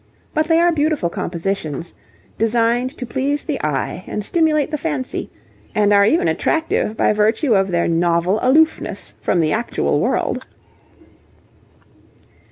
But they are beautiful compositions, designed to please the eye and stimulate the fancy, and are even attractive by virtue of their novel aloofness from the actual world.